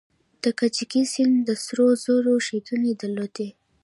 د کوکچې سیند د سرو زرو شګې درلودې